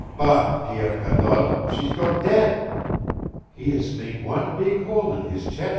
Bâ Pierre Cadotte, she's go dead. He is mak' wan beeg hole in hees ches'."